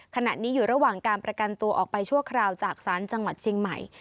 ขณะนี้อยู่ระหว่างการประกันตัวออกไปชั่วคราวจากศาลจังหวัดเชียงใหม่